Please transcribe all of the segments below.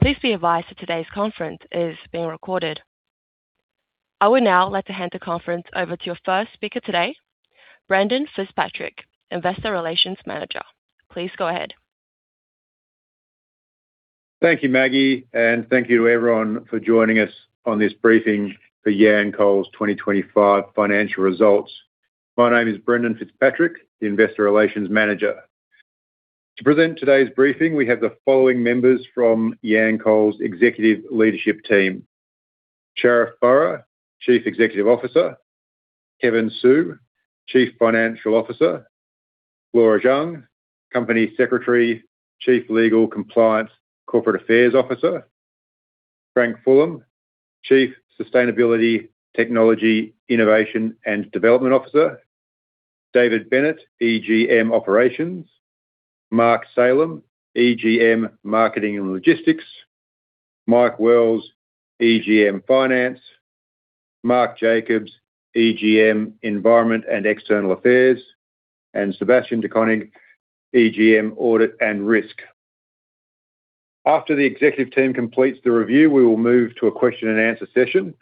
Please be advised that today's conference is being recorded. I would now like to hand the conference over to your first speaker today, Brendan Fitzpatrick, Investor Relations Manager. Please go ahead. Thank you, Maggie, and thank you to everyone for joining us on this briefing for Yancoal's 2025 financial results. My name is Brendan Fitzpatrick, the Investor Relations Manager. To present today's briefing, we have the following members from Yancoal's executive leadership team: Sharif Burra, Chief Executive Officer; Kevin Su, Chief Financial Officer; Laura Zhang, Company Secretary, Chief Legal, Compliance, Corporate Affairs Officer; Frank Fulham, Chief Sustainability, Technology, Innovation and Development Officer; David Bennett, EGM Operations; Mark Salem, EGM Marketing and Logistics; Mike Wells, EGM Finance; Mark Jacobs, EGM Environment and External Affairs; and Sebastian de Koning, EGM Audit and Risk. After the executive team completes the review, we will move to a question and answer session.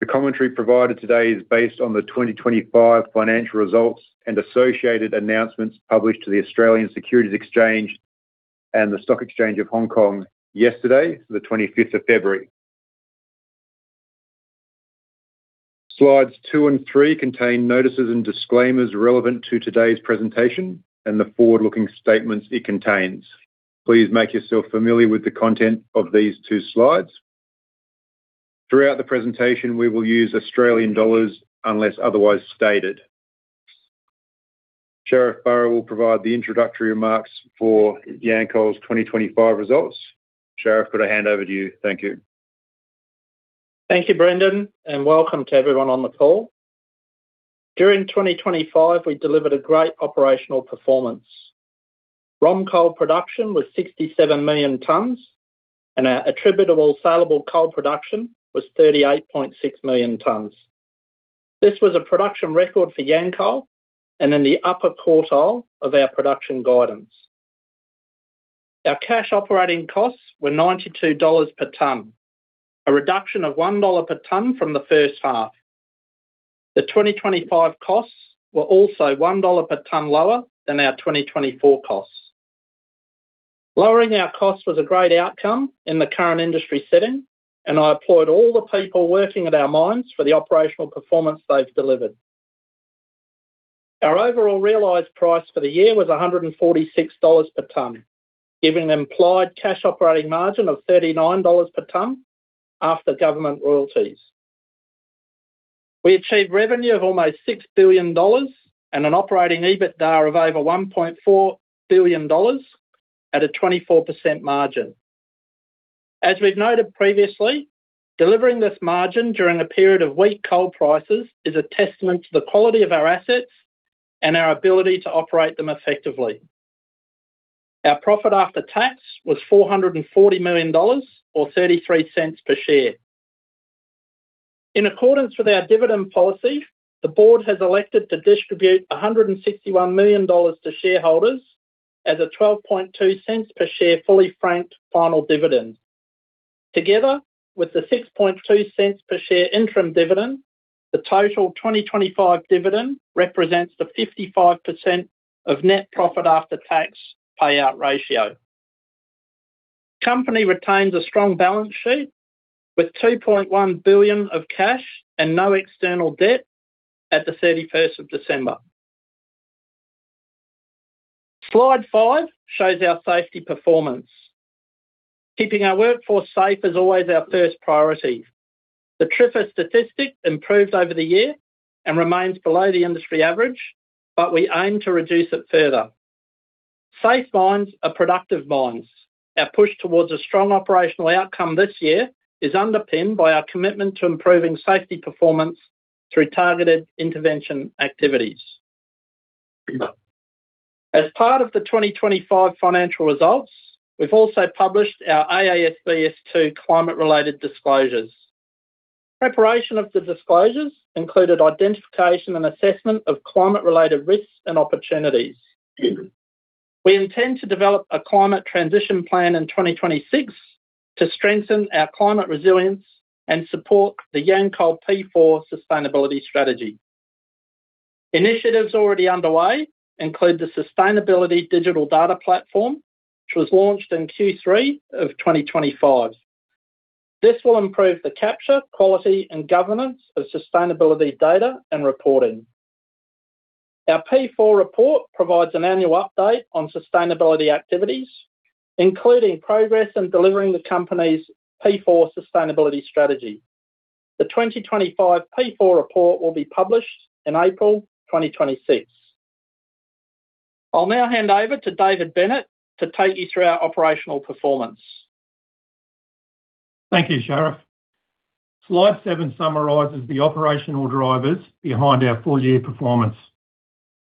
The commentary provided today is based on the 2025 financial results and associated announcements published to the Australian Securities Exchange and the Stock Exchange of Hong Kong yesterday, the 25th of February. Slides 2 and 3 contain notices and disclaimers relevant to today's presentation and the forward-looking statements it contains. Please make yourself familiar with the content of these 2 slides. Throughout the presentation, we will use Australian dollars unless otherwise stated. Sharif Burra will provide the introductory remarks for Yancoal's 2025 results. Sharif, I'm gonna hand over to you. Thank you. Thank you, Brendan, and welcome to everyone on the call. During 2025, we delivered a great operational performance. ROM coal production was 67 million tons, and our attributable salable coal production was 38.6 million tons. This was a production record for Yancoal and in the upper quartile of our production guidance. Our cash operating costs were 92 dollars per ton, a reduction of 1 dollar per ton from the first half. The 2025 costs were also 1 dollar per ton lower than our 2024 costs. Lowering our costs was a great outcome in the current industry setting, and I applaud all the people working at our mines for the operational performance they've delivered. Our overall realized price for the year was 146 dollars per ton, giving an implied cash operating margin of 39 dollars per ton after government royalties. We achieved revenue of almost 6 billion dollars and an operating EBITDA of over 1.4 billion dollars at a 24% margin. As we've noted previously, delivering this margin during a period of weak coal prices is a testament to the quality of our assets and our ability to operate them effectively. Our profit after tax was 440 million dollars or 0.33 per share. In accordance with our dividend policy, the board has elected to distribute 161 million dollars to shareholders as a 0.122 per share, fully franked final dividend. Together with the 0.062 per share interim dividend, the total 2025 dividend represents the 55% of net profit after tax payout ratio. Company retains a strong balance sheet with 2.1 billion of cash and no external debt at the 31st of December. Slide 5 shows our safety performance. Keeping our workforce safe is always our first priority. The TRIFR statistic improved over the year and remains below the industry average, but we aim to reduce it further. Safe mines are productive mines. Our push towards a strong operational outcome this year is underpinned by our commitment to improving safety performance through targeted intervention activities. As part of the 2025 financial results, we've also published our AASB S2 climate-related disclosures. Preparation of the disclosures included identification and assessment of climate-related risks and opportunities. We intend to develop a climate transition plan in 2026 to strengthen our climate resilience and support the Yancoal P4 Sustainability Strategy. Initiatives already underway include the Sustainability Digital Data Platform, which was launched in Q3 of 2025. This will improve the capture, quality, and governance of sustainability data and reporting. Our P4 report provides an annual update on sustainability activities, including progress in delivering the company's P4 Sustainability Strategy. The 2025 P4 report will be published in April 2026. I'll now hand over to David Bennett to take you through our operational performance. Thank you, Sharif. Slide 7 summarizes the operational drivers behind our full-year performance.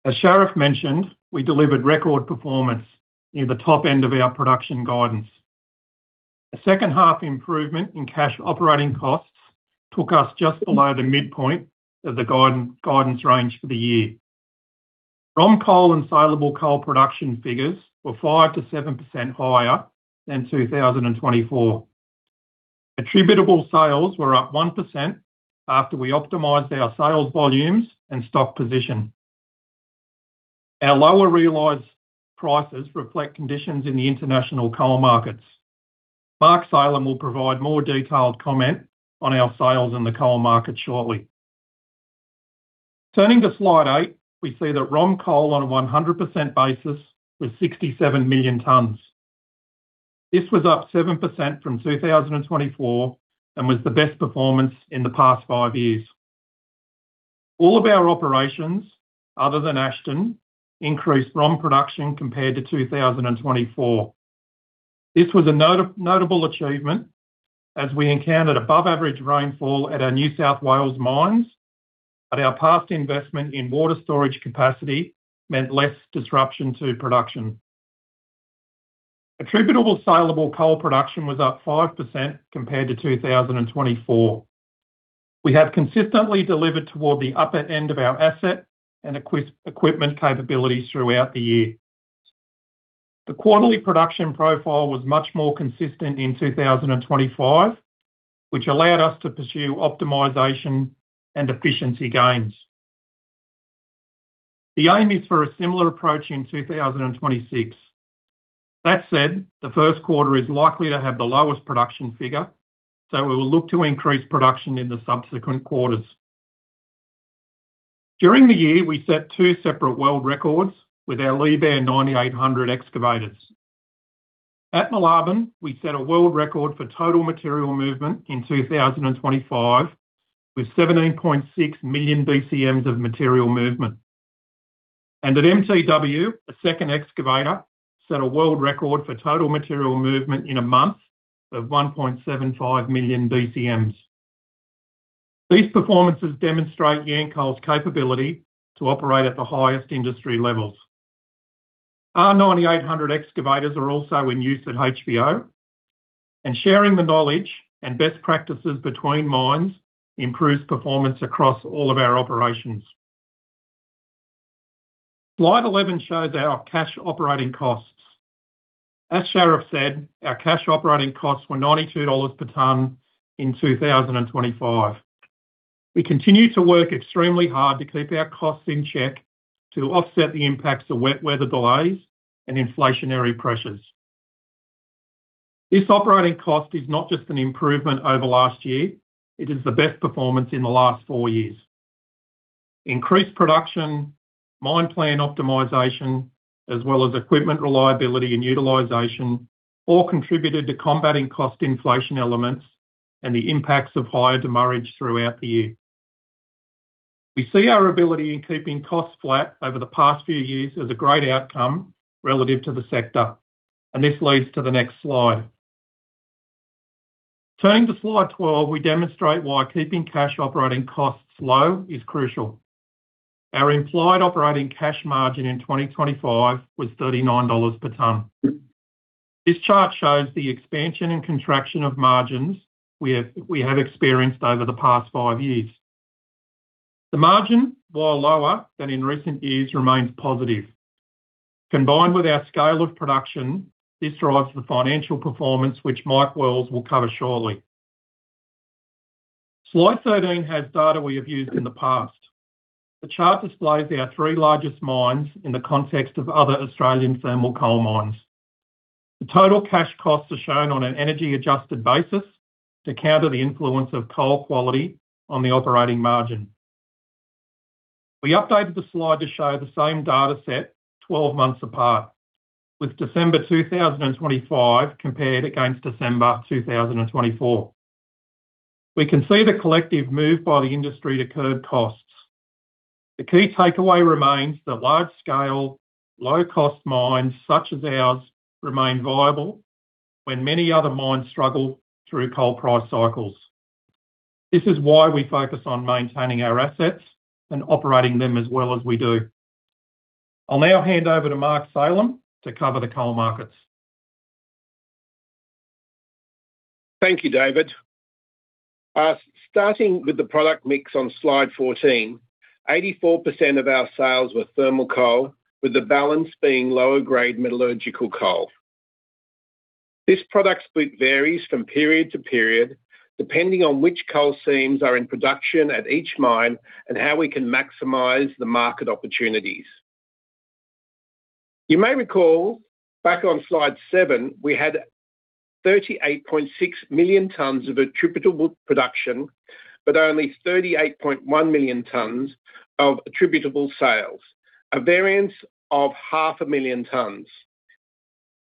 As Sharif mentioned, we delivered record performance near the top end of our production guidance. A second-half improvement in cash operating costs took us just below the midpoint of the guidance range for the year. ROM coal and saleable coal production figures were 5%-7% higher than 2024. Attributable sales were up 1% after we optimized our sales volumes and stock position. Our lower realized prices reflect conditions in the international coal markets. Mark Salem will provide more detailed comment on our sales in the coal market shortly. Turning to slide 8, we see that ROM coal on a 100% basis was 67 million tons. This was up 7% from 2024 and was the best performance in the past 5 years. All of our operations, other than Ashton, increased ROM production compared to 2024. This was a notable achievement as we encountered above-average rainfall at our New South Wales mines, but our past investment in water storage capacity meant less disruption to production. Attributable saleable coal production was up 5% compared to 2024. We have consistently delivered toward the upper end of our asset and equipment capabilities throughout the year. The quarterly production profile was much more consistent in 2025, which allowed us to pursue optimization and efficiency gains. The aim is for a similar approach in 2026. That said, the Q1 is likely to have the lowest production figure, so we will look to increase production in the subsequent quarters. During the year, we set 2 separate world records with our Liebherr R 9800 excavators. At Moolarben, we set a world record for total material movement in 2025, with 17.6 million BCMs of material movement. At MTW, a second excavator set a world record for total material movement in a month of 1.75 million BCMs. These performances demonstrate Yancoal's capability to operate at the highest industry levels. Our 9800 excavators are also in use at HVO, and sharing the knowledge and best practices between mines improves performance across all of our operations. Slide 11 shows our cash operating costs. As Sharif said, our cash operating costs were 92 dollars per tonne in 2025. We continue to work extremely hard to keep our costs in check to offset the impacts of wet weather delays and inflationary pressures. This operating cost is not just an improvement over last year, it is the best performance in the last 4 years. Increased production, mine plan optimization, as well as equipment reliability and utilization, all contributed to combating cost inflation elements and the impacts of higher demurrage throughout the year. We see our ability in keeping costs flat over the past few years as a great outcome relative to the sector, and this leads to the next slide. Turning to Slide 12, we demonstrate why keeping cash operating costs low is crucial. Our implied operating cash margin in 2025 was 39 dollars per tonne. This chart shows the expansion and contraction of margins we have experienced over the past 5 years. The margin, while lower than in recent years, remains positive. Combined with our scale of production, this drives the financial performance, which Mike Wells will cover shortly. Slide 13 has data we have used in the past. The chart displays our three largest mines in the context of other Australian thermal coal mines. The total cash costs are shown on an energy-adjusted basis to counter the influence of coal quality on the operating margin. We updated the slide to show the same data set 12 months apart, with December 2025 compared against December 2024. We can see the collective move by the industry to curb costs. The key takeaway remains that large-scale, low-cost mines such as ours remain viable when many other mines struggle through coal price cycles. This is why we focus on maintaining our assets and operating them as well as we do. I'll now hand over to Mark Salem to cover the coal markets. Thank you, David. Starting with the product mix on Slide 14, 84% of our sales were thermal coal, with the balance being lower-grade metallurgical coal. This product split varies from period to period, depending on which coal seams are in production at each mine and how we can maximize the market opportunities. You may recall back on Slide 7, we had 38.6 million tons of attributable production, but only 38.1 million tons of attributable sales, a variance of half a million tons.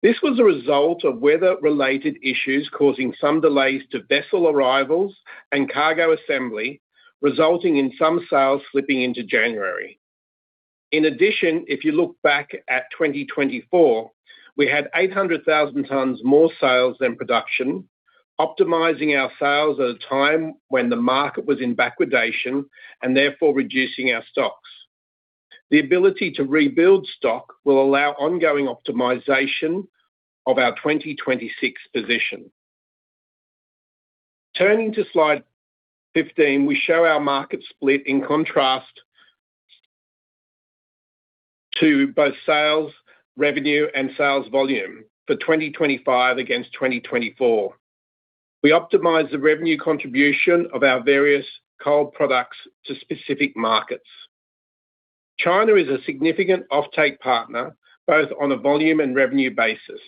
This was a result of weather-related issues, causing some delays to vessel arrivals and cargo assembly, resulting in some sales slipping into January. If you look back at 2024, we had 800,000 tons more sales than production, optimizing our sales at a time when the market was in backwardation and therefore reducing our stocks. The ability to rebuild stock will allow ongoing optimization of our 2026 position. Turning to Slide 15, we show our market split in contrast to both sales, revenue, and sales volume for 2025 against 2024. We optimize the revenue contribution of our various coal products to specific markets. China is a significant offtake partner, both on a volume and revenue basis.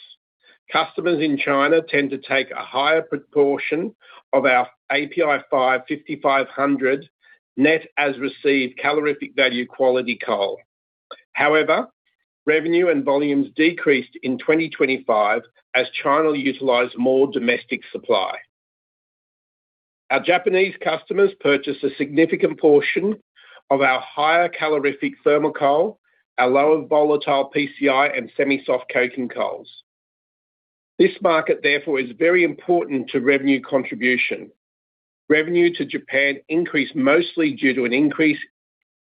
Customers in China tend to take a higher proportion of our API 5 5,500 NAR quality coal. Revenue and volumes decreased in 2025 as China utilized more domestic supply. Our Japanese customers purchase a significant portion of our higher calorific thermal coal, our lower volatile PCI, and semi-soft coking coals. This market, therefore, is very important to revenue contribution. Revenue to Japan increased mostly due to an increase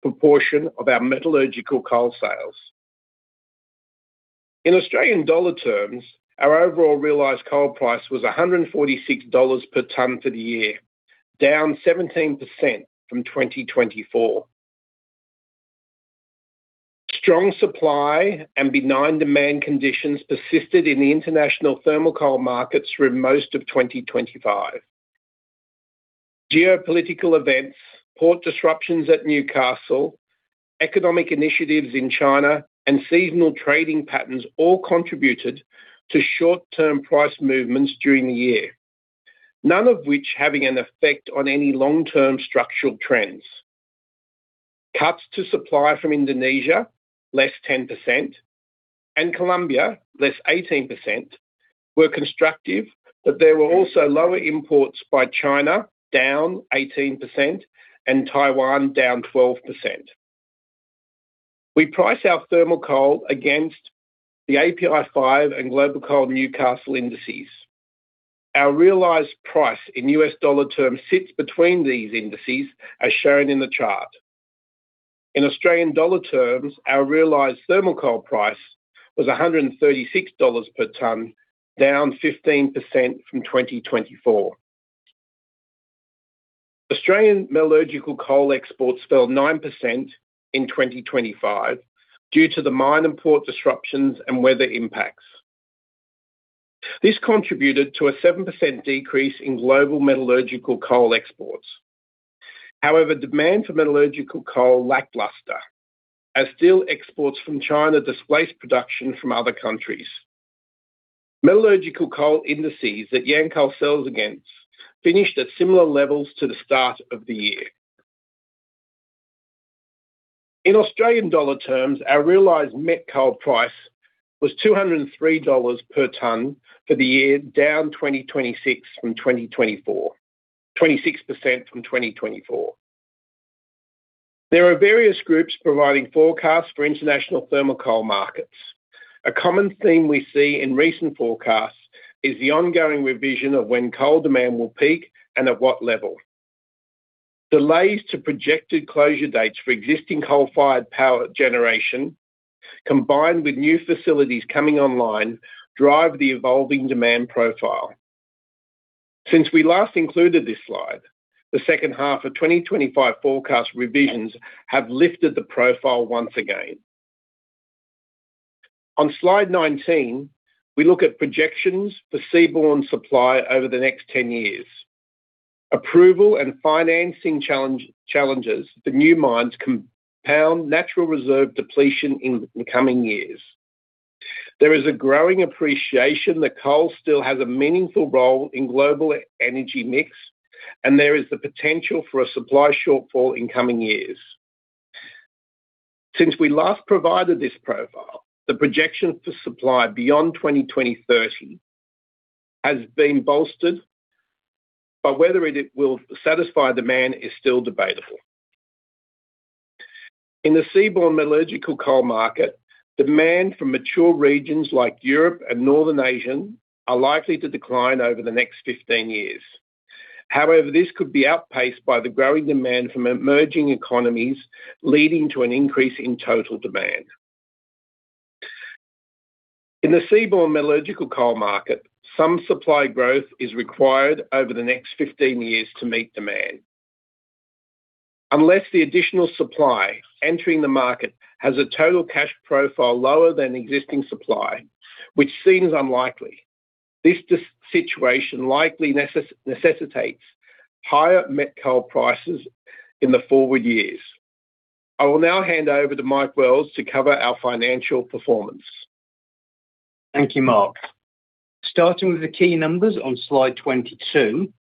proportion of our metallurgical coal sales. In Australian dollar terms, our overall realized coal price was 146 dollars per tonne for the year, down 17% from 2024. Strong supply and benign demand conditions persisted in the international thermal coal markets through most of 2025. Geopolitical events, port disruptions at Newcastle, economic initiatives in China, and seasonal trading patterns all contributed to short-term price movements during the year, none of which having an effect on any long-term structural trends. Cuts to supply from Indonesia, less 10%, and Colombia, less 18%, were constructive, but there were also lower imports by China, down 18%, and Taiwan, down 12%. We price our thermal coal against the API 5 and globalCOAL Newcastle indices. Our realized price in US dollar terms sits between these indices, as shown in the chart. In Australian dollar terms, our realized thermal coal price was 136 dollars per tonne, down 15% from 2024. Australian metallurgical coal exports fell 9% in 2025 due to the mine and port disruptions and weather impacts. This contributed to a 7% decrease in global metallurgical coal exports. However, demand for metallurgical coal lackluster, as steel exports from China displaced production from other countries. Metallurgical coal indices that Yancoal sells against finished at similar levels to the start of the year. In Australian dollar terms, our realized met coal price was 203 dollars per tonne for the year, down 26% from 2024. There are various groups providing forecasts for international thermal coal markets. A common theme we see in recent forecasts is the ongoing revision of when coal demand will peak and at what level. Delays to projected closure dates for existing coal-fired power generation, combined with new facilities coming online, drive the evolving demand profile. Since we last included this slide, the second half of 2025 forecast revisions have lifted the profile once again. On Slide 19, we look at projections for seaborne supply over the next 10 years. Approval and financing challenges for new mines compound natural reserve depletion in the coming years. There is a growing appreciation that coal still has a meaningful role in global energy mix, and there is the potential for a supply shortfall in coming years. Since we last provided this profile, the projection for supply beyond 2030 has been bolstered, but whether it will satisfy the demand is still debatable. In the seaborne metallurgical coal market, demand from mature regions like Europe and Northern Asia are likely to decline over the next 15 years. This could be outpaced by the growing demand from emerging economies, leading to an increase in total demand. In the seaborne metallurgical coal market, some supply growth is required over the next 15 years to meet demand. Unless the additional supply entering the market has a total cash profile lower than existing supply, which seems unlikely, this situation likely necessitates higher met coal prices in the forward years. I will now hand over to Mike Wells to cover our financial performance. Thank you, Mark. Starting with the key numbers on Slide 22.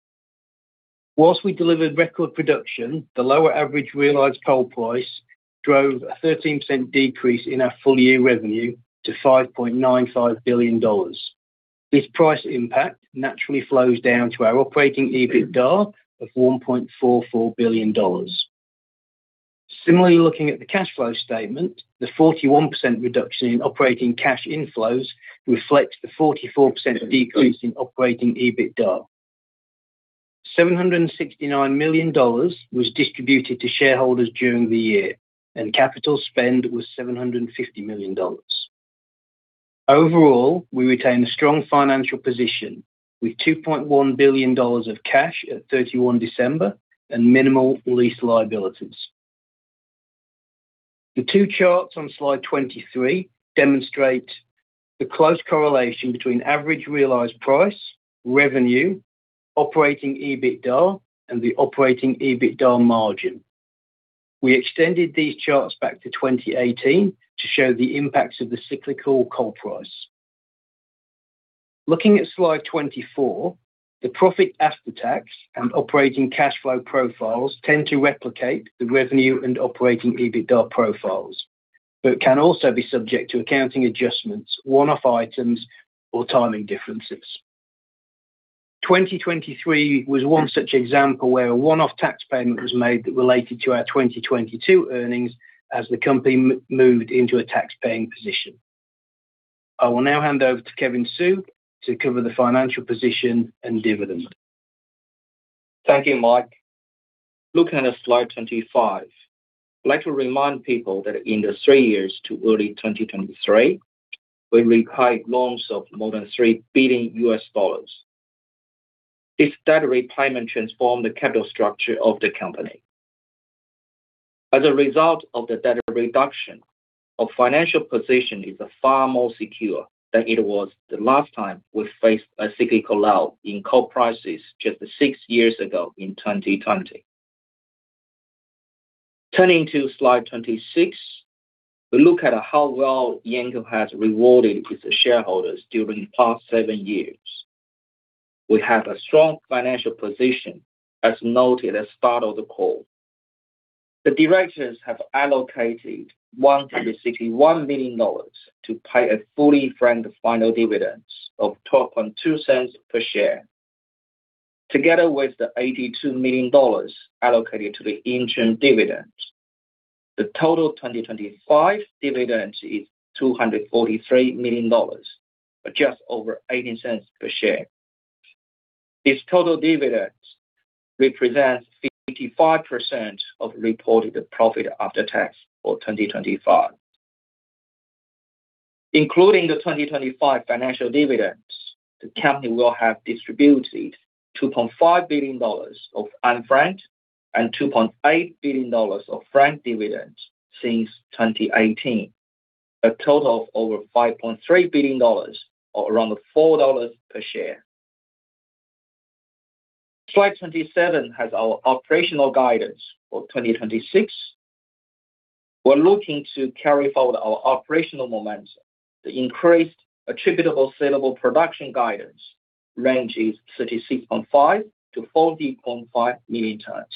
Whilst we delivered record production, the lower average realized coal price drove a 13% decrease in our full-year revenue to 5.95 billion dollars. This price impact naturally flows down to our operating EBITDA of 1.44 billion dollars. Similarly, looking at the cash flow statement, the 41% reduction in operating cash inflows reflects the 44% decrease in operating EBITDA. 769 million dollars was distributed to shareholders during the year, and capital spend was 750 million dollars. Overall, we retain a strong financial position, with 2.1 billion dollars of cash at 31 December and minimal lease liabilities. The two charts on Slide 23 demonstrate the close correlation between average realized price, revenue, operating EBITDA, and the operating EBITDA margin. We extended these charts back to 2018 to show the impacts of the cyclical coal price. Looking at Slide 24, the profit after tax and operating cash flow profiles tend to replicate the revenue and operating EBITDA profiles, but can also be subject to accounting adjustments, one-off items, or timing differences. 2023 was one such example where a one-off tax payment was made that related to our 2022 earnings as the company moved into a tax-paying position. I will now hand over to Kevin Su to cover the financial position and dividend. Thank you, Mike. Looking at Slide 25, I'd like to remind people that in the three years to early 2023, we repaid loans of more than $3 billion. This debt retirement transformed the capital structure of the company. As a result of the debt reduction, our financial position is far more secure than it was the last time we faced a cyclical low in coal prices just six years ago in 2020. Turning to Slide 26, we look at how well Yancoal has rewarded with the shareholders during the past seven years. We have a strong financial position, as noted at the start of the call. The directors have allocated 161 million dollars to pay a fully franked final dividend of 0.122 per share. Together with the 82 million dollars allocated to the interim dividend, the total 2025 dividend is 243 million dollars, or just over 0.18 per share. This total dividend represents 55% of reported profit after tax for 2025. Including the 2025 financial dividends, the company will have distributed 2.5 billion dollars of unfranked and 2.5 billion dollars of franked dividends since 2018. A total of over 5.3 billion dollars or around 4 dollars per share. Slide 27 has our operational guidance for 2026. We're looking to carry forward our operational momentum. The increased attributable sellable production guidance range is 36.5 million-40.5 million tons.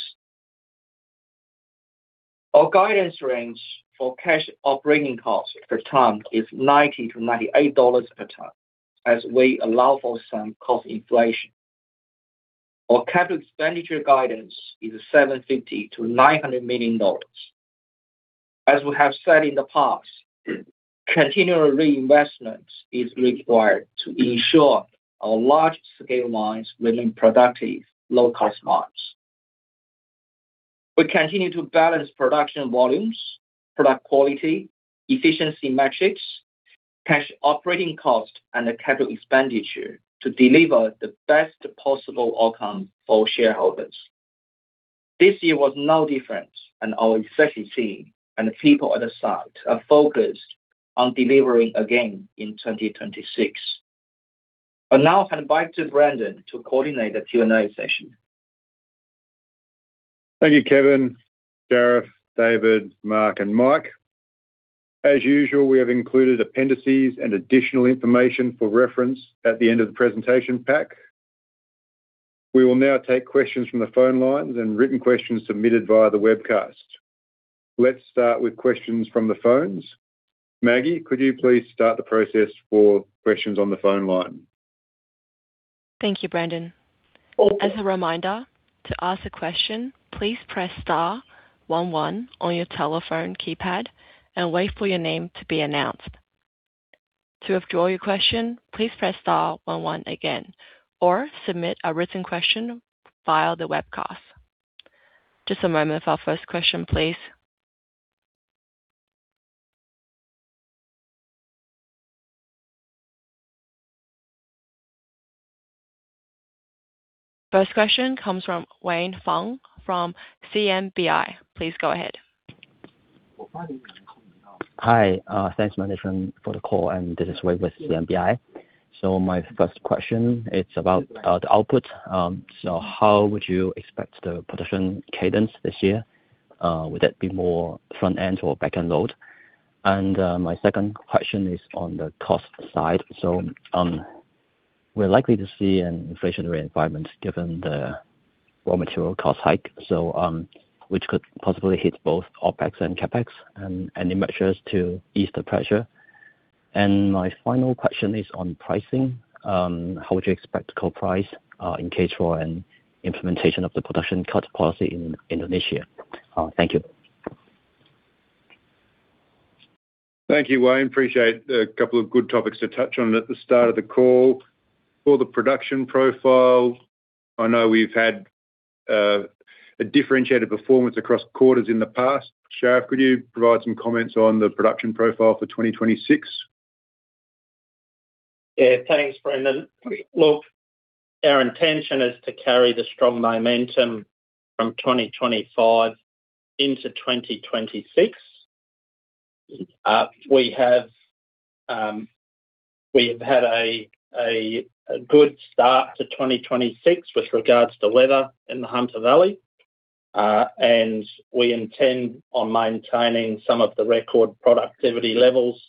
Our guidance range for cash operating costs per ton is 90-98 dollars per ton, as we allow for some cost inflation. Our capital expenditure guidance is 750 million-900 million dollars. As we have said in the past, continual reinvestment is required to ensure our large-scale mines remain productive, low-cost mines. We continue to balance production volumes, product quality, efficiency metrics, cash operating cost, and capital expenditure to deliver the best possible outcome for shareholders. This year was no different. Our executive team and the people at the site are focused on delivering again in 2026. I'll now hand back to Brendan to coordinate the Q&A session. Thank you, Kevin, Jared, David, Mark, and Mike. As usual, we have included appendices and additional information for reference at the end of the presentation pack. We will now take questions from the phone lines and written questions submitted via the webcast. Let's start with questions from the phones. Maggie, could you please start the process for questions on the phone line? Thank you, Brendan. As a reminder, to ask a question, please press star one one on your telephone keypad and wait for your name to be announced. To withdraw your question, please press star one one again, or submit a written question via the webcast. Just a moment for our first question, please. First question comes from Wayne Fung from CMBI. Please go ahead. Hi, thanks management for the call. This is Wayne with CMBI. My first question, it's about the output. How would you expect the production cadence this year? Would that be more front end or back end load? My second question is on the cost side. We're likely to see an inflationary environment given the raw material cost hike, which could possibly hit both OpEx and CapEx, any measures to ease the pressure. My final question is on pricing. How would you expect coal price in case for an implementation of the production cut policy in Indonesia? Thank you. Thank you, Wayne. Appreciate a couple of good topics to touch on at the start of the call. For the production profile, I know we've had a differentiated performance across quarters in the past. Sharif, could you provide some comments on the production profile for 2026? Thanks, Brendan. Look, our intention is to carry the strong momentum from 2025 into 2026. We have had a good start to 2026 with regards to weather in the Hunter Valley. We intend on maintaining some of the record productivity levels,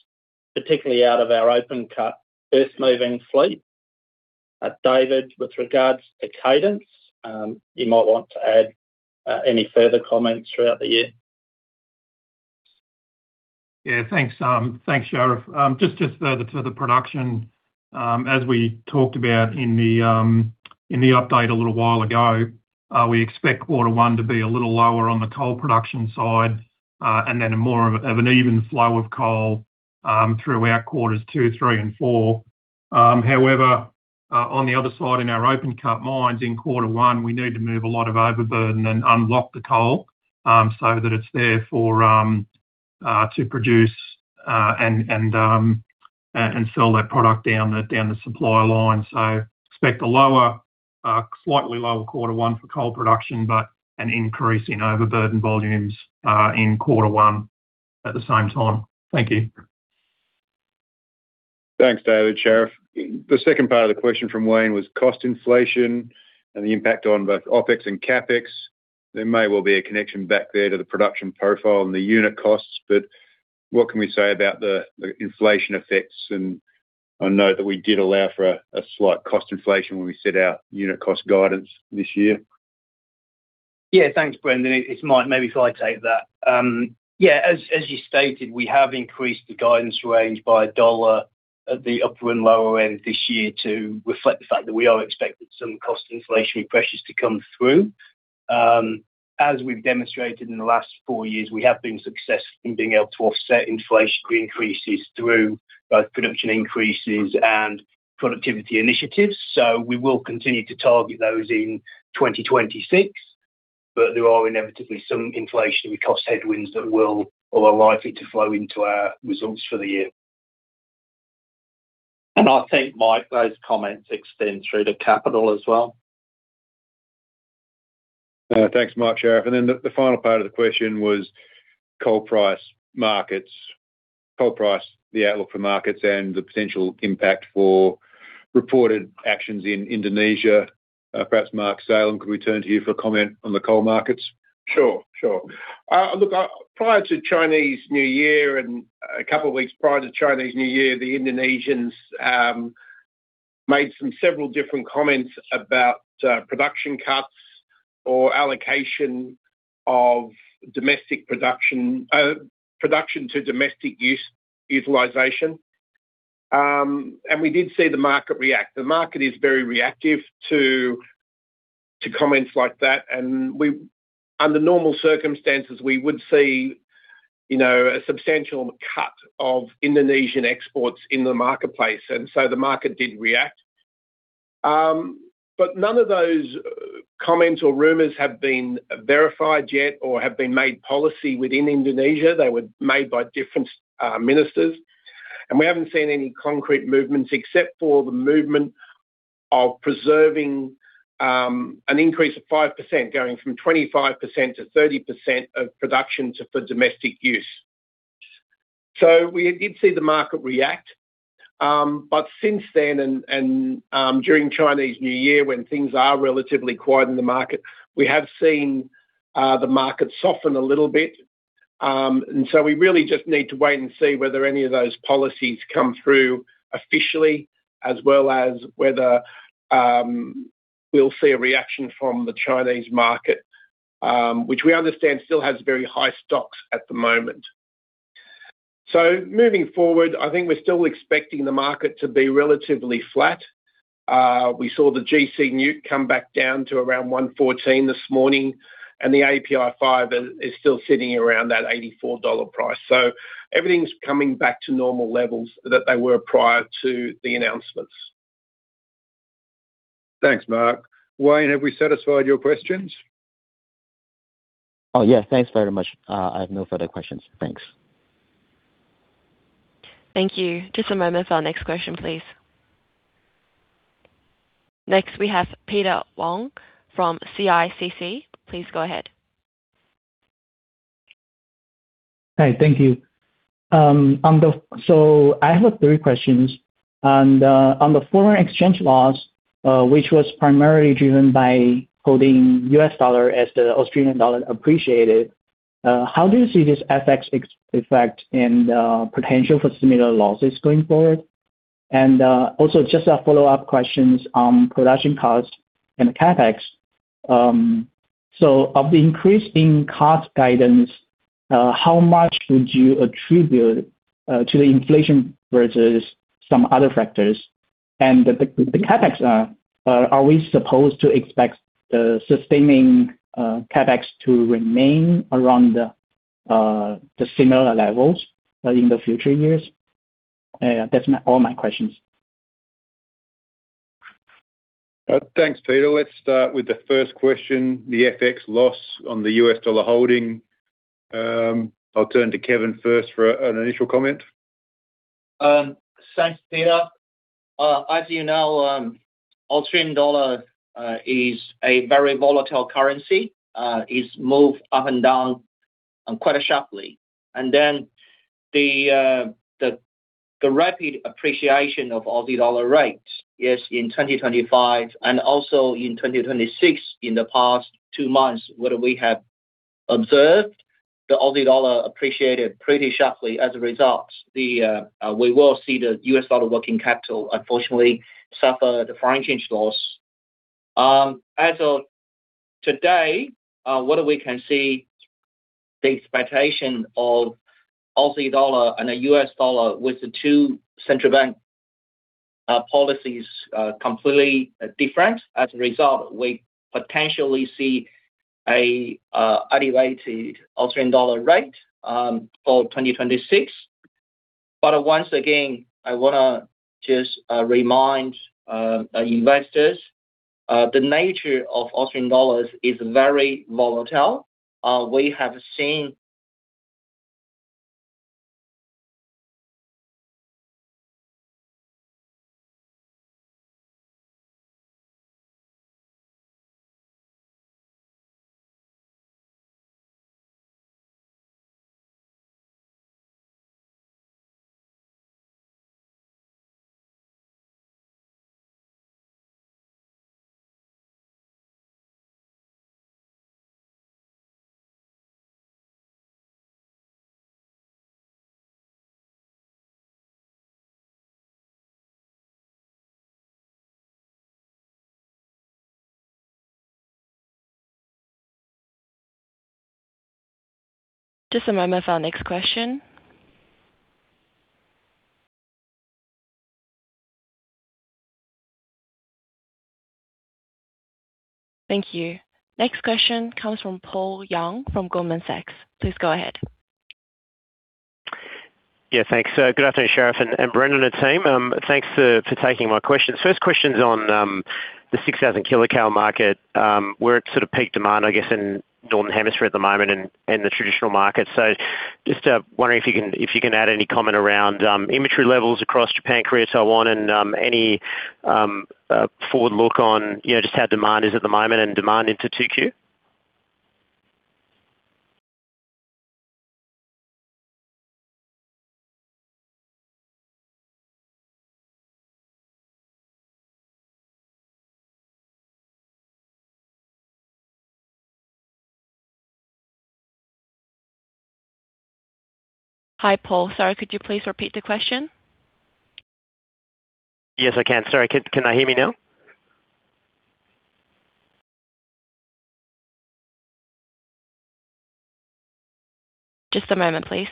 particularly out of our open-cut earthmoving fleet. David, with regards to cadence, you might want to add any further comments throughout the year. Yeah, thanks, Sharif. Just for the production, as we talked about in the update a little while ago, we expect quarter one to be a little lower on the coal production side, and then more of an even flow of coal throughout quarters two, three, and four. On the other side, in our open-cut mines, in quarter one, we need to move a lot of overburden and unlock the coal so that it's there to produce and sell that product down the supply line. Expect a lower, slightly lower quarter one for coal production, but an increase in overburden volumes in quarter one at the same time. Thank you. Thanks, David. Sharif, the second part of the question from Wayne was cost inflation and the impact on both OpEx and CapEx. What can we say about the inflation effects? I know that we did allow for a slight cost inflation when we set out unit cost guidance this year. Yeah, thanks, Brendan. It's Mike. Maybe if I take that. Yeah, as you stated, we have increased the guidance range by AUD 1 at the upper and lower end this year to reflect the fact that we are expecting some cost inflationary pressures to come through. As we've demonstrated in the last four years, we have been successful in being able to offset inflationary increases through both production increases and productivity initiatives, so we will continue to target those in 2026. There are inevitably some inflationary cost headwinds that will or are likely to flow into our results for the year. I think, Mike, those comments extend through to capital as well. Thanks, Mike, Sharif. The final part of the question was coal price markets. Coal price, the outlook for markets, and the potential impact for reported actions in Indonesia. Perhaps Mark Salem, could we turn to you for comment on the coal markets? Sure, sure. Look, prior to Chinese New Year and a couple of weeks prior to Chinese New Year, the Indonesians made some several different comments about production cuts or allocation of domestic production to domestic use utilization. We did see the market react. The market is very reactive to comments like that, and under normal circumstances, we would see, you know, a substantial cut of Indonesian exports in the marketplace, and so the market did react. None of those comments or rumors have been verified yet or have been made policy within Indonesia. They were made by different ministers, and we haven't seen any concrete movements except for the movement of preserving an increase of 5%, going from 25% to 30% of production to, for domestic use. We did see the market react. But since then, during Chinese New Year, when things are relatively quiet in the market, we have seen the market soften a little bit. We really just need to wait and see whether any of those policies come through officially, as well as whether we'll see a reaction from the Chinese market, which we understand still has very high stocks at the moment. Moving forward, I think we're still expecting the market to be relatively flat. We saw the GC Newcastle come back down to around $114 this morning, and the API 5 still sitting around that $84 price. Everything's coming back to normal levels that they were prior to the announcements. Thanks, Mark. Wayne, have we satisfied your questions? Oh, yeah. Thanks very much. I have no further questions. Thanks. Thank you. Just a moment for our next question, please. Next, we have Peter Wong from CICC. Please go ahead. Hi, thank you. I have 3 questions. On the foreign exchange laws, which was primarily driven by holding US dollar as the Australian dollar appreciated, how do you see this FX effect and potential for similar losses going forward? Also, just a follow-up questions on production cost and CapEx. Of the increase in cost guidance, how much would you attribute to the inflation versus some other factors? The CapEx, are we supposed to expect the sustaining CapEx to remain around the similar levels in the future years? That's all my questions. Thanks, Peter. Let's start with the first question, the FX loss on the US dollar holding. I'll turn to Kevin first for an initial comment. Thanks, Peter. As you know, Australian dollar is a very volatile currency, is moved up and down quite sharply. The rapid appreciation of Aussie dollar rates is in 2025 and also in 2026. In the past 2 months, what we have observed, the Aussie dollar appreciated pretty sharply. As a result, we will see the US dollar working capital unfortunately suffer the foreign exchange loss. As of today, what we can see, the expectation of Aussie dollar and the US dollar with the 2 central bank policies completely different. As a result, we potentially see an elevated Australian dollar rate for 2026. Once again, I wanna just remind investors, the nature of Australian dollars is very volatile. We have seen. Just a moment for our next question. Thank you. Next question comes from Paul Young from Goldman Sachs. Please go ahead. Yeah, thanks. Good afternoon, Sharif and Brendan and team. Thanks for taking my questions. First question is on the 6,000 kilocal market. We're at sort of peak demand, I guess, in Northern Hemisphere at the moment and the traditional market. Just wondering if you can add any comment around inventory levels across Japan, Korea, so on, and any forward look on, you know, just how demand is at the moment and demand into 2Q? Hi, Paul. Sorry, could you please repeat the question? Yes, I can. Sorry, can I hear me now? Just a moment, please.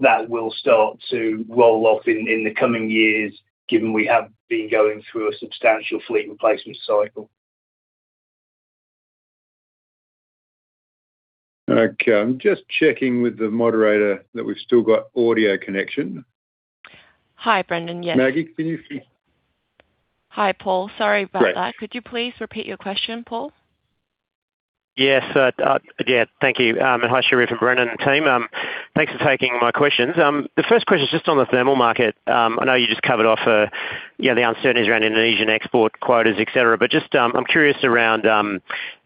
That will start to roll off in the coming years, given we have been going through a substantial fleet replacement cycle. Okay, I'm just checking with the moderator that we've still got audio connection. Hi, Brendan. Yes. Maggie, can you please- Hi, Paul. Sorry about that. Great. Could you please repeat your question, Paul? Yes, yeah, thank you. Hi, Sharif and Brendan and team. Thanks for taking my questions. The first question is just on the thermal market. I know you just covered off, you know, the uncertainties around Indonesian export quotas, et cetera. Just, I'm curious around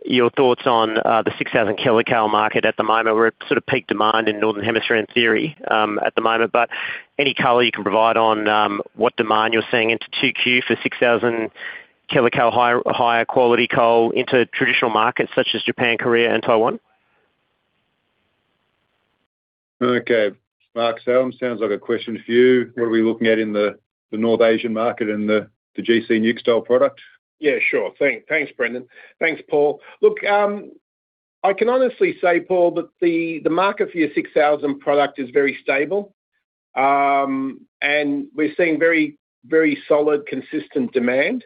your thoughts on the 6,000 kcal market at the moment. We're at sort of peak demand in Northern Hemisphere, in theory, at the moment, but any color you can provide on what demand you're seeing into 2Q for 6,000 kcal higher quality coal into traditional markets such as Japan, Korea, and Taiwan? Okay, Mark Salem, sounds like a question for you. What are we looking at in the North Asian market and the GC Newcastle product? Yeah, sure. Thank, thanks, Brendan. Thanks, Paul. I can honestly say, Paul, that the market for your 6,000 product is very stable, and we're seeing very, very solid, consistent demand.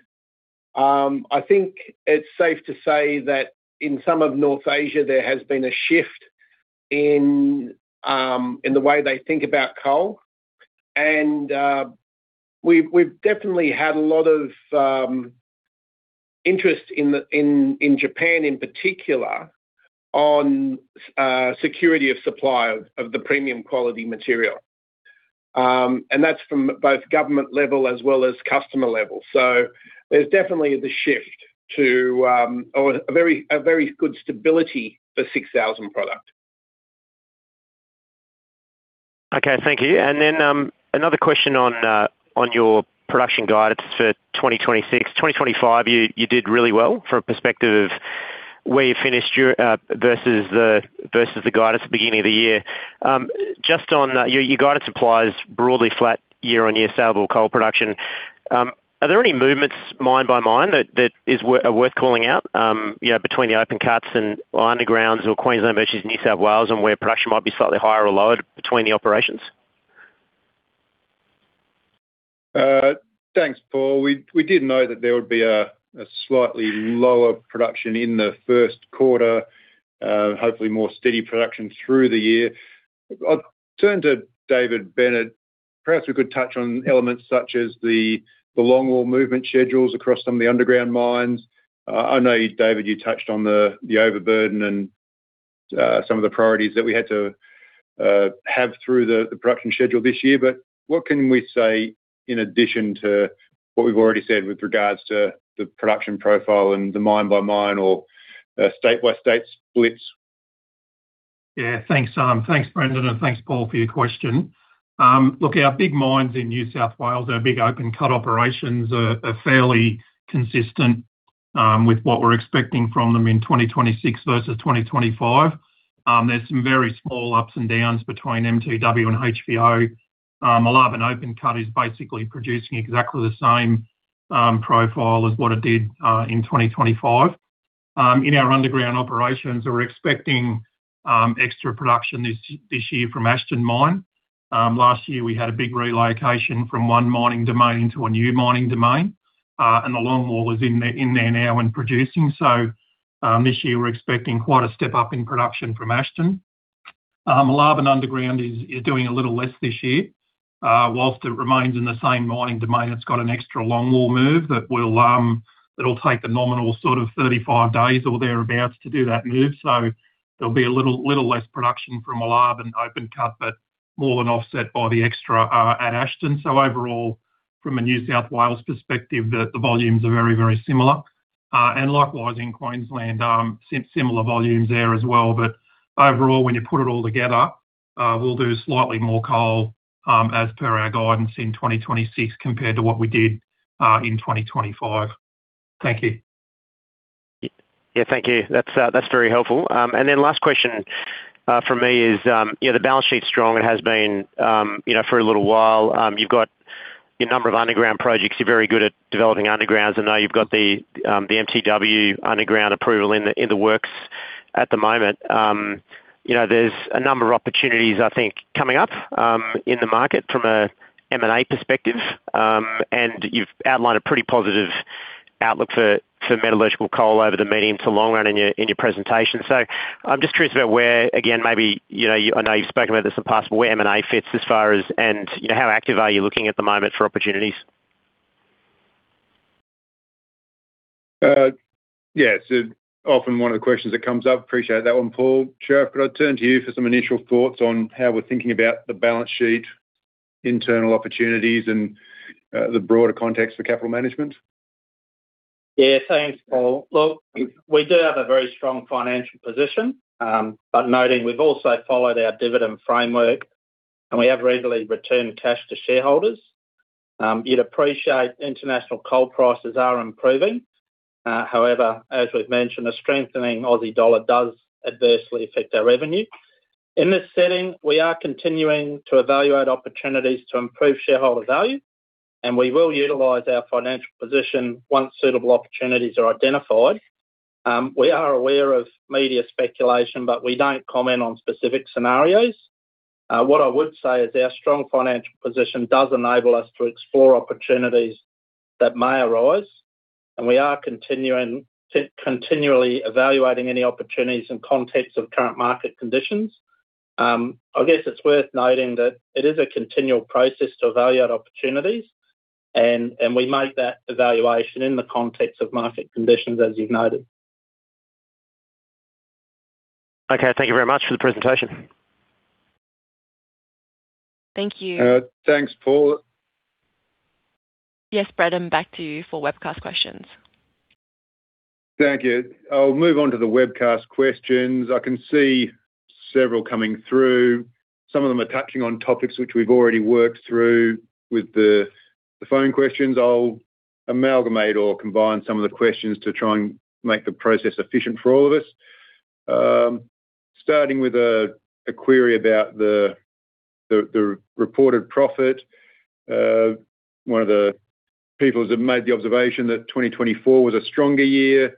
I think it's safe to say that in some of Northern Asia, there has been a shift in the way they think about coal. We've definitely had a lot of interest in Japan in particular, on security of supply of the premium quality material. That's from both government level as well as customer level. There's definitely the shift to or a very good stability for 6,000 product. Thank you. Another question on your production guidance for 2026. 2025, you did really well from a perspective of where you finished your versus the guidance at the beginning of the year. Just on your guidance applies broadly flat year-on-year saleable coal production. Are there any movements mine by mine that are worth calling out between the open cuts and undergrounds or Queensland versus New South Wales, and where production might be slightly higher or lower between the operations? Thanks, Paul. We did know that there would be a slightly lower production in the Q1, hopefully more steady production through the year. I'll turn to David Bennett. Perhaps we could touch on elements such as the longwall movement schedules across some of the underground mines. I know, David, you touched on the overburden and some of the priorities that we had to have through the production schedule this year. What can we say in addition to what we've already said with regards to the production profile and the mine-by-mine or state-by-state splits? Thanks, Brendan, and thanks, Paul, for your question. Look, our big mines in New South Wales, our big open cut operations are fairly consistent with what we're expecting from them in 2026 versus 2025. There's some very small ups and downs between MTW and HVO. Moolarben and open cut is basically producing exactly the same profile as what it did in 2025. In our underground operations, we're expecting extra production this year from Ashton Mine. Last year, we had a big relocation from one mining domain into a new mining domain, and the longwall is in there now and producing. This year we're expecting quite a step-up in production from Ashton. Moolarben Underground is doing a little less this year. whilst it remains in the same mining domain, it's got an extra longwall move that will, that'll take a nominal sort of 35 days or thereabouts to do that move. There'll be a little less production from Moolarben and open cut, but more than offset by the extra, at Ashton. Overall, from a New South Wales perspective, the volumes are very, very similar. Likewise in Queensland, similar volumes there as well. Overall, when you put it all together, we'll do slightly more coal, as per our guidance in 2026, compared to what we did, in 2025. Thank you. Yeah, thank you. That's, that's very helpful. Last question from me is, yeah, the balance sheet is strong and has been, you know, for a little while. You've got your number of underground projects. You're very good at developing undergrounds. I know you've got the MTW underground approval in the works at the moment. You know, there's a number of opportunities, I think, coming up in the market from a M&A perspective, and you've outlined a pretty positive outlook for metallurgical coal over the medium to long run in your presentation. I'm just curious about where, again, maybe, you know, I know you've spoken about this in the past, but where M&A fits as far as... You know, how active are you looking at the moment for opportunities? yes, it's often one of the questions that comes up. Appreciate that one, Paul. Geoff, could I turn to you for some initial thoughts on how we're thinking about the balance sheet, internal opportunities, and the broader context for capital management? Yeah, thanks, Paul. Look, we do have a very strong financial position, but noting we've also followed our dividend framework, and we have regularly returned cash to shareholders. You'd appreciate international coal prices are improving. However, as we've mentioned, a strengthening Aussie dollar does adversely affect our revenue. In this setting, we are continuing to evaluate opportunities to improve shareholder value, and we will utilize our financial position once suitable opportunities are identified. We are aware of media speculation, but we don't comment on specific scenarios. What I would say is our strong financial position does enable us to explore opportunities that may arise, and we are continuing, continually evaluating any opportunities in context of current market conditions. I guess it's worth noting that it is a continual process to evaluate opportunities, and we make that evaluation in the context of market conditions, as you've noted. Okay. Thank you very much for the presentation. Thank you. Thanks, Paul. Yes, Brendan, back to you for webcast questions. Thank you. I'll move on to the webcast questions. I can see several coming through. Some of them are touching on topics which we've already worked through with the phone questions. I'll amalgamate or combine some of the questions to try and make the process efficient for all of us. Starting with a query about the reported profit. One of the people has made the observation that 2024 was a stronger year,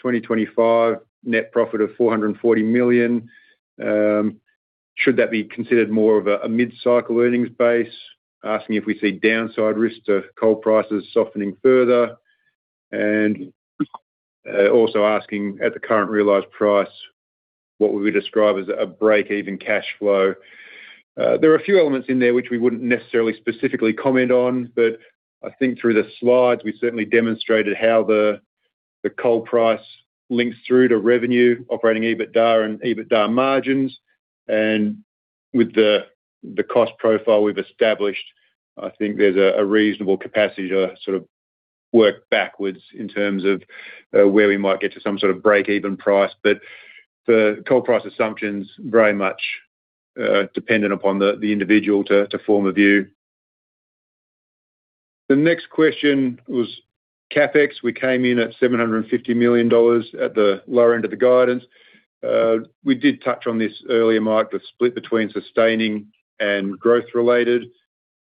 2025, net profit of 440 million. Should that be considered more of a mid-cycle earnings base? Asking if we see downside risks to coal prices softening further, and also asking, at the current realized price, what would we describe as a break-even cash flow? There are a few elements in there which we wouldn't necessarily specifically comment on, but I think through the slides, we certainly demonstrated how the coal price links through to revenue, operating EBITDA and EBITDA margins. With the cost profile we've established, I think there's a reasonable capacity to sort of work backwards in terms of where we might get to some sort of break-even price. The coal price assumption's very much dependent upon the individual to form a view. The next question was CapEx. We came in at 750 million dollars at the lower end of the guidance. We did touch on this earlier, Mark, the split between sustaining and growth-related,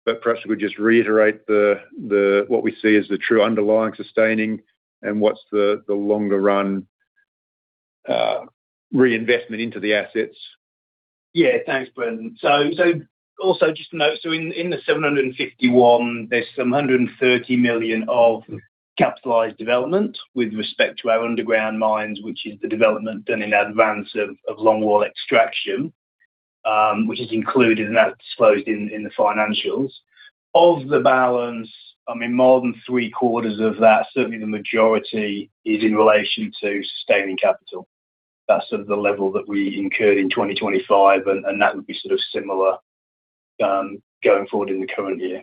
but perhaps we could just reiterate the what we see as the true underlying sustaining and what's the longer run reinvestment into the assets. Yeah, thanks, Brendan. Also just to note, so in the 751, there's some 130 million of capitalized development with respect to our underground mines, which is the development done in advance of longwall extraction, which is included, and that's disclosed in the financials. Of the balance, I mean, more than three-quarters of that, certainly the majority is in relation to sustaining capital. That's of the level that we incurred in 2025, and that would be sort of similar going forward in the current year.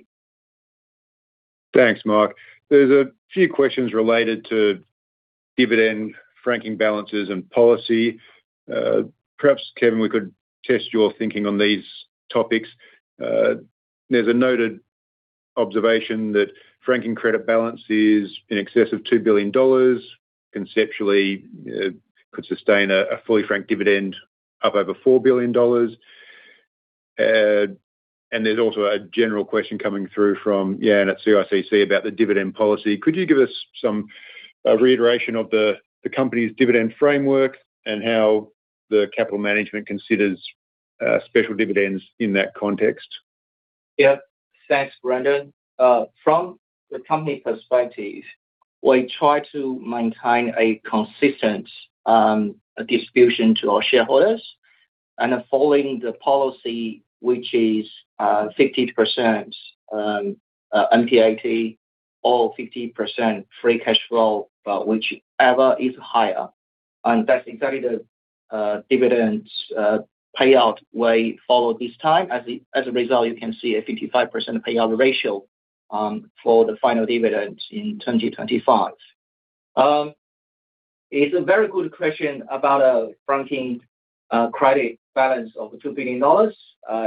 Thanks, Mark. There's a few questions related to dividend franking balances and policy. Perhaps, Kevin, we could test your thinking on these topics. There's a noted observation that franking credit balance is in excess of 2 billion dollars. Conceptually, could sustain a fully franked dividend up over 4 billion dollars. There's also a general question coming through from, yeah, and at CICC about the dividend policy. Could you give us some reiteration of the company's dividend framework and how the capital management considers special dividends in that context? Yeah. Thanks, Brendan. From the company perspective, we try to maintain a consistent distribution to our shareholders. Following the policy, which is 50% NPAT or 50% free cash flow, whichever is higher, that's exactly the dividend payout way followed this time. As a result, you can see a 55% payout ratio for the final dividend in 2025. It's a very good question about a franking credit balance of 2 billion dollars.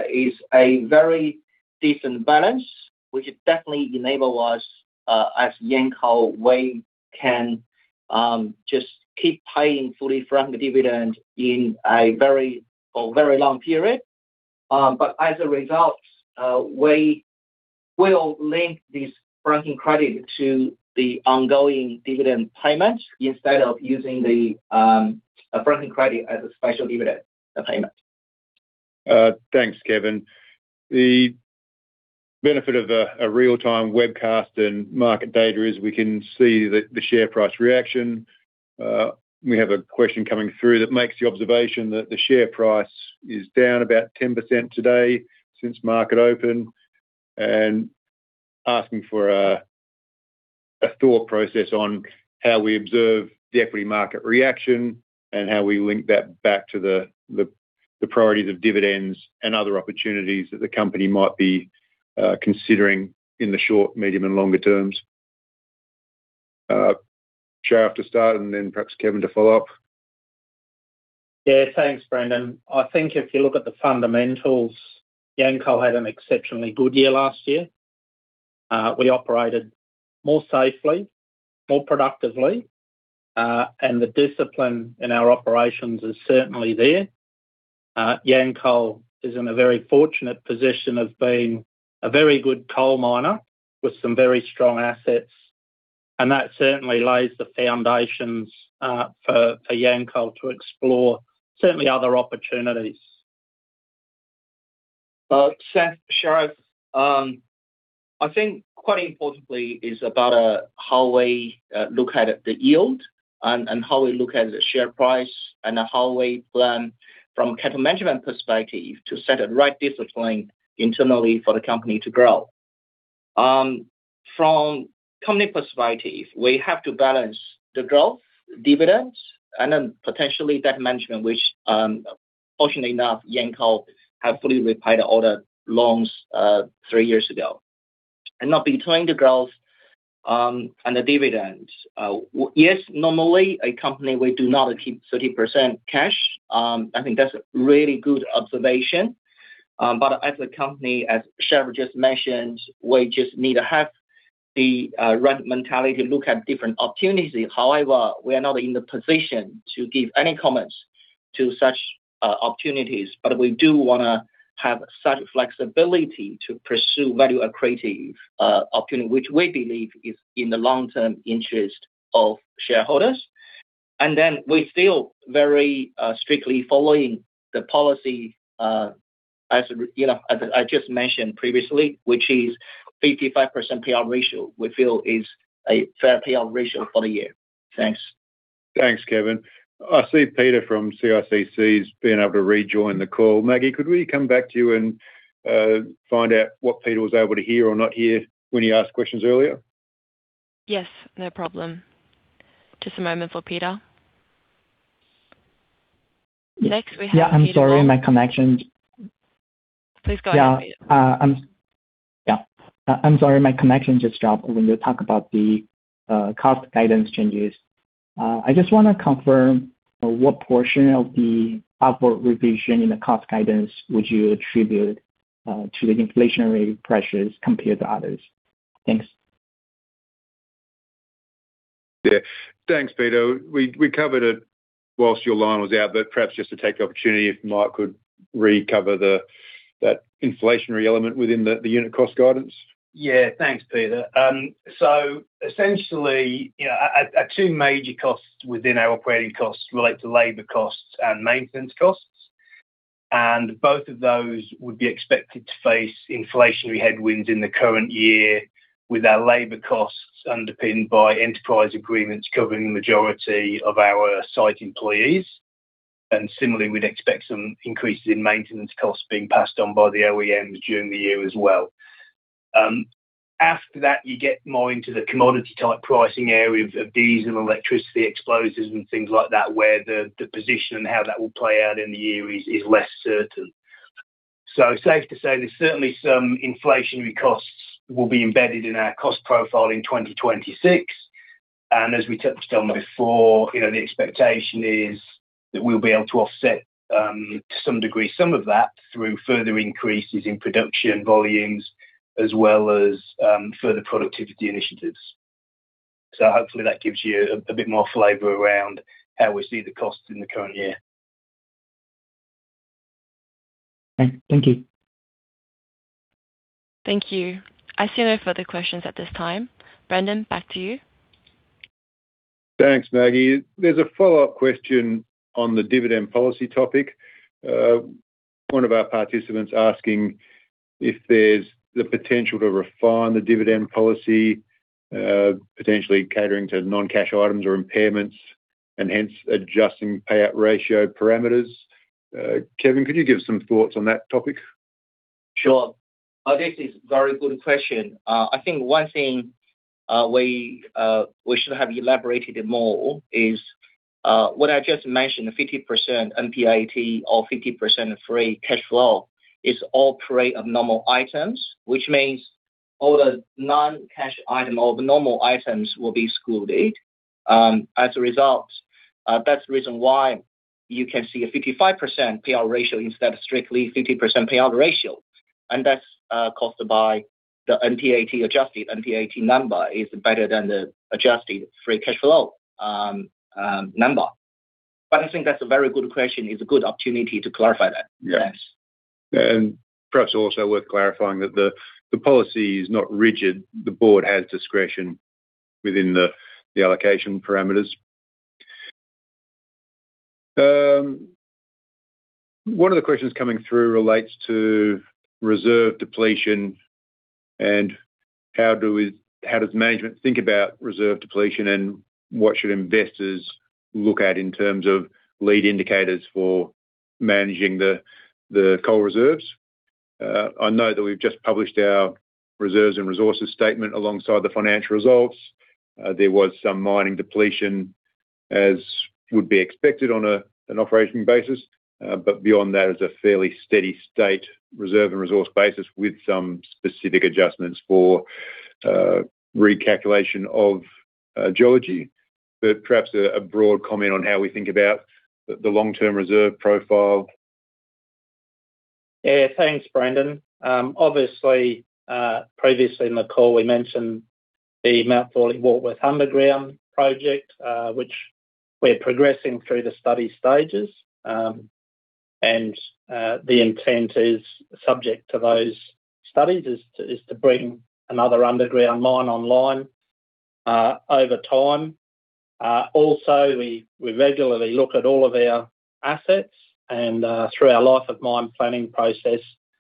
It's a very decent balance, which definitely enable us, as Yancoal, we can just keep paying fully franked dividend in a very long period. As a result, we will link this franking credit to the ongoing dividend payment instead of using the a franking credit as a special dividend payment. Thanks, Kevin. The benefit of a real-time webcast and market data is we can see the share price reaction. We have a question coming through that makes the observation that the share price is down about 10% today since market open, and asking for a thought process on how we observe the equity market reaction and how we link that back to the priorities of dividends and other opportunities that the company might be considering in the short, medium, and longer terms. Sharif to start and then perhaps Kevin to follow up. Yeah. Thanks, Brendan. I think if you look at the fundamentals, Yancoal had an exceptionally good year last year. We operated more safely, more productively, and the discipline in our operations is certainly there. Yancoal is in a very fortunate position of being a very good coal miner with some very strong assets, and that certainly lays the foundations for Yancoal to explore certainly other opportunities. Thanks, Sharif. I think quite importantly is about how we look at the yield and how we look at the share price and how we plan from a capital management perspective to set the right discipline internally for the company to grow. From company perspective, we have to balance the growth, dividends, and then potentially debt management, which fortunately enough, Yancoal have fully repaid all the loans 3 years ago. Now between the growth and the dividends, yes, normally a company will do not keep 30% cash. I think that's a really good observation. As a company, as Sharif just mentioned, we just need to have the right mentality to look at different opportunities. We are not in the position to give any comments to such opportunities, but we do wanna have such flexibility to pursue value and creative opportunity, which we believe is in the long-term interest of shareholders. We feel very strictly following the policy, as, you know, as I just mentioned previously, which is 55% payout ratio, we feel is a fair payout ratio for the year. Thanks. Thanks, Kevin. I see Peter from CICC's been able to rejoin the call. Maggie, could we come back to you and find out what Peter was able to hear or not hear when he asked questions earlier? Yes, no problem. Just a moment for Peter. Next, we have Peter- Yeah, I'm sorry, my connection. Please go ahead, Peter. Yeah, I'm sorry, my connection just dropped when you talk about the cost guidance changes. I just wanna confirm, what portion of the upward revision in the cost guidance would you attribute to the inflationary pressures compared to others? Thanks. Yeah. Thanks, Peter. We covered it whilst your line was out, perhaps just to take the opportunity, if Mark could recover that inflationary element within the unit cost guidance. Thanks, Peter. So essentially, you know, our two major costs within our operating costs relate to labor costs and maintenance costs, and both of those would be expected to face inflationary headwinds in the current year, with our labor costs underpinned by enterprise agreements covering the majority of our site employees. Similarly, we'd expect some increases in maintenance costs being passed on by the OEMs during the year as well. After that, you get more into the commodity-type pricing area diesel and electricity exposures and things like that, where the position and how that will play out in the year is less certain. Safe to say, there's certainly some inflationary costs will be embedded in our cost profile in 2026, and as we touched on before, you know, the expectation is that we'll be able to offset, to some degree, some of that through further increases in production volumes, as well as, further productivity initiatives. Hopefully that gives you a bit more flavor around how we see the costs in the current year. Thank you. Thank you. I see no further questions at this time. Brendan, back to you. Thanks, Maggie. There's a follow-up question on the dividend policy topic. One of our participants asking if there's the potential to refine the dividend policy, potentially catering to non-cash items or impairments, and hence adjusting payout ratio parameters. Kevin, could you give us some thoughts on that topic? Sure. I think it's a very good question. I think one thing we should have elaborated it more is what I just mentioned, a 50% NPAT or 50% free cash flow is all pre of normal items, which means all the non-cash item or the normal items will be excluded. As a result, that's the reason why you can see a 55% payout ratio instead of strictly 50% payout ratio, and that's caused by the NPAT-adjusted. NPAT number is better than the adjusted free cash flow number. I think that's a very good question. It's a good opportunity to clarify that. Yes. Yes. Perhaps also worth clarifying that the policy is not rigid. The board has discretion within the allocation parameters. One of the questions coming through relates to reserve depletion and how does management think about reserve depletion, and what should investors look at in terms of lead indicators for managing the coal reserves? I know that we've just published our reserves and resources statement alongside the financial results. There was some mining depletion, as would be expected on an operating basis, but beyond that, it's a fairly steady state reserve and resource basis with some specific adjustments for recalculation of geology. Perhaps a broad comment on how we think about the long-term reserve profile. Yeah. Thanks, Brendan. Obviously, previously in the call, we mentioned the Mount Thorley Warkworth Underground Project, which we're progressing through the study stages. The intent is subject to those studies, is to bring another underground mine online over time. We regularly look at all of our assets and through our life of mine planning process,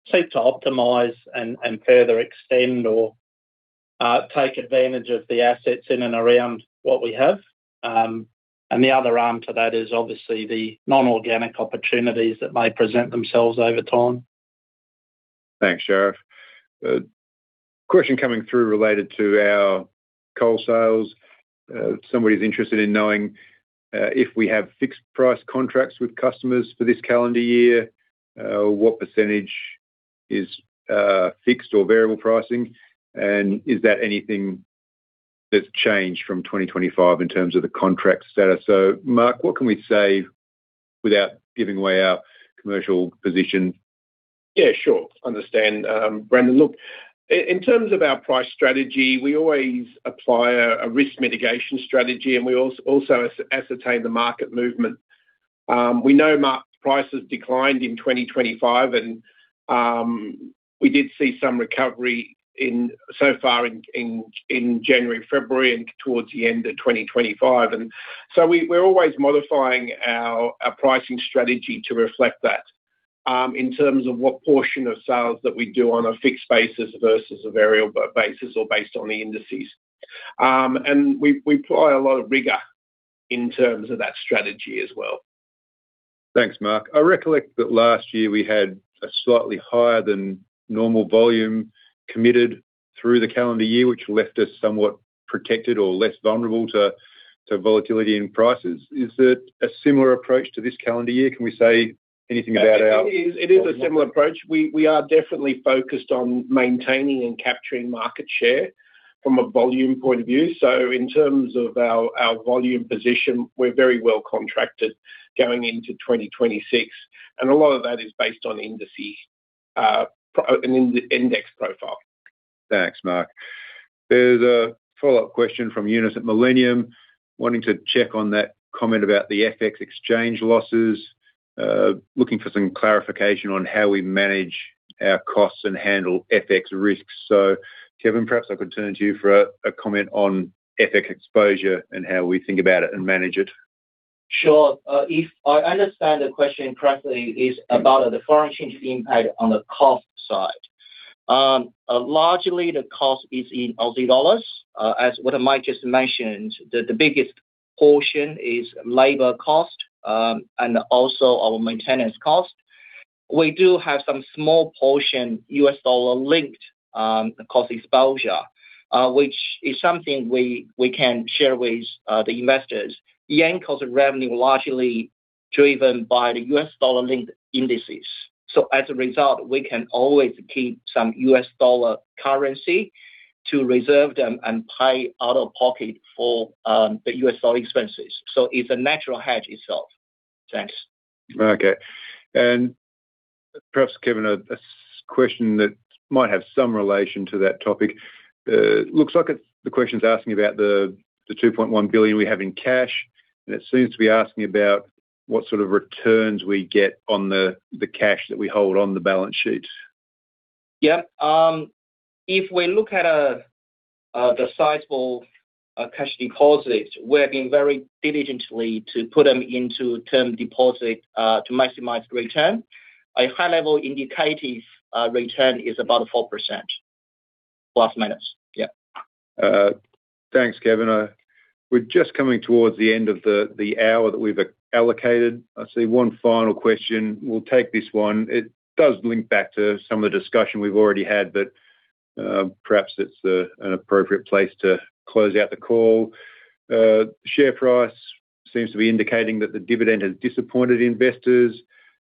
seek to optimize and further extend or take advantage of the assets in and around what we have. The other arm to that is obviously the non-organic opportunities that may present themselves over time. Thanks, Sharif. Question coming through related to our coal sales. Somebody's interested in knowing if we have fixed price contracts with customers for this calendar year, what percentage is fixed or variable pricing? Is that anything that's changed from 2025 in terms of the contract status? Mark, what can we say without giving away our commercial position? Yeah, sure. Understand, Brendan. In terms of our price strategy, we always apply a risk mitigation strategy, we also ascertain the market movement. We know market prices declined in 2025, we did see some recovery so far in January, February, and towards the end of 2025. We're always modifying our pricing strategy to reflect that in terms of what portion of sales that we do on a fixed basis versus a variable basis or based on the indices. We apply a lot of rigor in terms of that strategy as well. Thanks, Mark. I recollect that last year we had a slightly higher than normal volume through the calendar year, which left us somewhat protected or less vulnerable to volatility in prices. Is it a similar approach to this calendar year? Can we say anything about our. It is a similar approach. We are definitely focused on maintaining and capturing market share from a volume point of view. In terms of our volume position, we're very well contracted going into 2026, a lot of that is based on indices, an index profile. Thanks, Mark. There's a follow-up question from Eunice at Millennium, wanting to check on that comment about the FX exchange losses. Looking for some clarification on how we manage our costs and handle FX risks. Kevin, perhaps I could turn to you for a comment on FX exposure and how we think about it and manage it. Sure. If I understand the question correctly, is about the foreign exchange impact on the cost side. Largely, the cost is in Aussie dollars. As what Mike just mentioned, the biggest portion is labor cost, and also our maintenance cost. We do have some small portion, US dollar-linked cost exposure, which is something we can share with the investors. Yancoal's revenue largely driven by the US dollar-linked indices. As a result, we can always keep some US dollar currency to reserve them and pay out of pocket for the US dollar expenses. It's a natural hedge itself. Thanks. Okay. Perhaps, Kevin, a question that might have some relation to that topic. Looks like the question's asking about the 2.1 billion we have in cash, and it seems to be asking about what sort of returns we get on the cash that we hold on the balance sheet. If we look at the sizable cash deposits, we're being very diligently to put them into term deposit to maximize return. A high-level indicative return is about 4%, plus, minus. Thanks, Kevin. We're just coming towards the end of the hour that we've allocated. I see one final question. We'll take this one. It does link back to some of the discussion we've already had, but perhaps it's an appropriate place to close out the call. Share price seems to be indicating that the dividend has disappointed investors.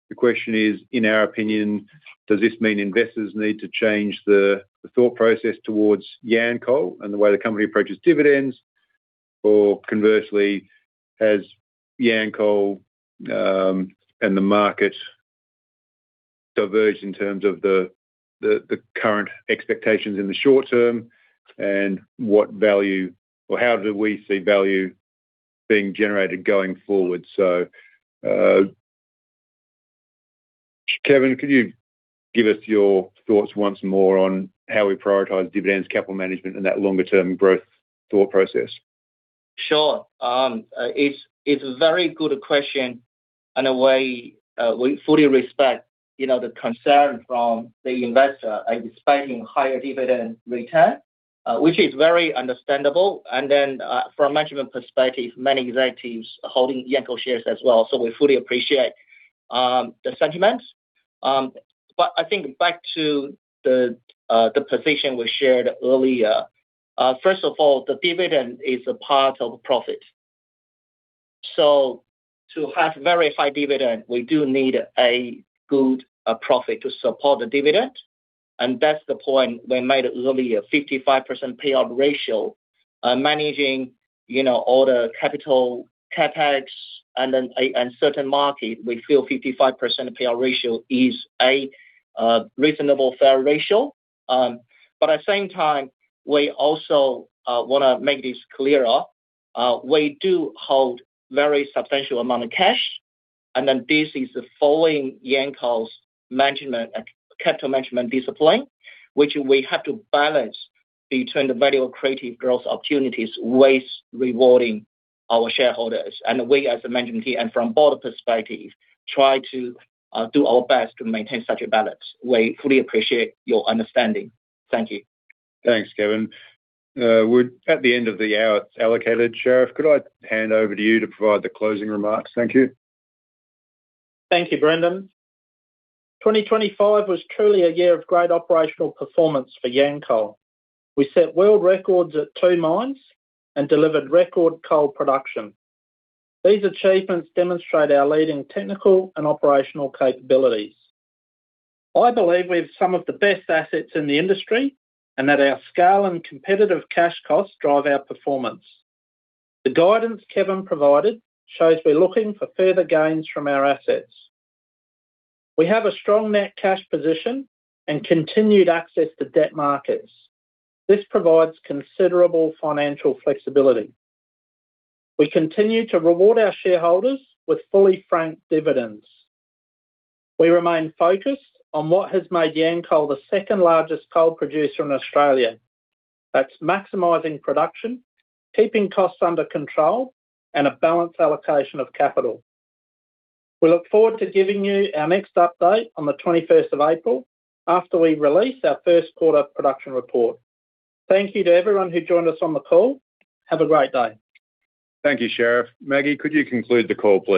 The question is, in our opinion, does this mean investors need to change the thought process towards Yancoal and the way the company approaches dividends? Conversely, has Yancoal and the market diverged in terms of the current expectations in the short term, and what value. How do we see value being generated going forward? Kevin, could you give us your thoughts once more on how we prioritize dividends, capital management, and that longer-term growth thought process? Sure. It's a very good question, and a way we fully respect the concern from the investor expecting higher dividend return, which is very understandable. From a management perspective, many executives are holding Yancoal shares as well, so we fully appreciate the sentiments. I think back to the position we shared earlier. First of all, the dividend is a part of profit. To have very high dividend, we do need a good profit to support the dividend, and that's the point we made earlier, 55% payout ratio. Managing all the capital CapEx and then certain market, we feel 55% payout ratio is a reasonable, fair ratio. At the same time, we also wanna make this clearer. We do hold very substantial amount of cash, and then this is following Yancoal's management and capital management discipline, which we have to balance between the value of creative growth opportunities, ways rewarding our shareholders. We, as a management team and from board perspective, try to do our best to maintain such a balance. We fully appreciate your understanding. Thank you. Thanks, Kevin. We're at the end of the hour allocated. Sharif, could I hand over to you to provide the closing remarks? Thank you. Thank you, Brendan. 2025 was truly a year of great operational performance for Yancoal. We set world records at 2 mines and delivered record coal production. These achievements demonstrate our leading technical and operational capabilities. I believe we have some of the best assets in the industry, that our scale and competitive cash costs drive our performance. The guidance Kevin provided shows we're looking for further gains from our assets. We have a strong net cash position and continued access to debt markets. This provides considerable financial flexibility. We continue to reward our shareholders with fully franked dividends. We remain focused on what has made Yancoal the second largest coal producer in Australia. That's maximizing production, keeping costs under control, and a balanced allocation of capital. We look forward to giving you our next update on the 21st of April after we release our Q1 production report. Thank you to everyone who joined us on the call. Have a great day. Thank you, Sharif. Maggie, could you conclude the call, please?